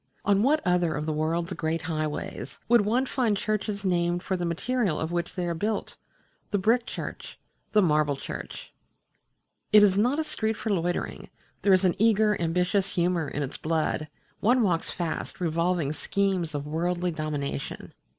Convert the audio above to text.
On what other of the world's great highways would one find churches named for the material of which they are built? the Brick Church, the Marble Church! It is not a street for loitering there is an eager, ambitious humour in its blood; one walks fast, revolving schemes of worldly dominion.